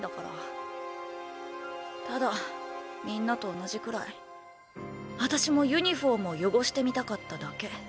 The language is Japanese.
ただみんなと同じくらい私もユニフォームを汚してみたかっただけ。